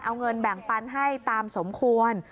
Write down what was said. เอาเงินแบ่งปันให้ตามสมควร